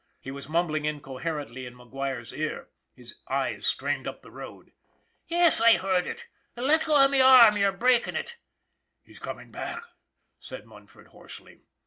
" he was mumbling incoherently in McGuire's ear, his eyes strained up the road. " Yes, I heard it. Let go of my arm, you're breakin' it!" " He's comin' back," said Munford, hoarsely.